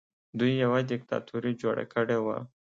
دوی یوه دیکتاتوري جوړه کړې وه